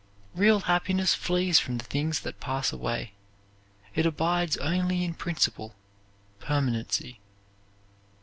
Real happiness flees from the things that pass away; it abides only in principle, permanency.